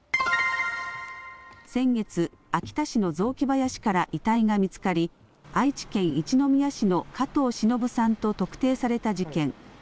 先月、秋田市の雑木林から遺体が見つかり愛知県一宮市の加藤しのぶさんと特定された事件。